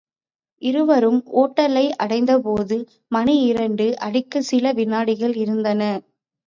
இருவரும் ஒட்டலை அடைந்தபோது மணி இரண்டு அடிக்கச் சில வினாடிகள் இருந்தன.